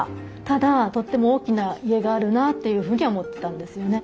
ただとっても大きな家があるなあというふうには思ってたんですよね。